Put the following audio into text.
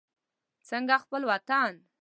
څنګه خپل وطن.